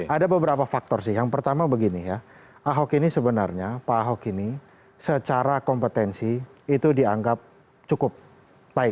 ada beberapa faktor sih yang pertama begini ya pak ahok ini sebenarnya secara kompetensi itu dianggap cukup baik